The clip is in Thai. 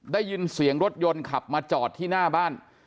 ได้ยินเสียงรถยนต์ขับมาจอดที่หน้าบ้าน